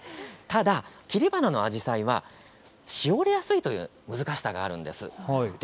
切り花のアジサイはしおれやすいという難しさがあるんです。